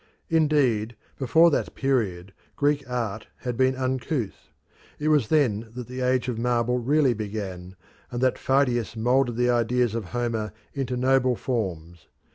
Indeed, before that period Greek art had been uncouth; it was then that the Age of Marble really began, and that Phidias moulded the ideas of Homer into noble forms.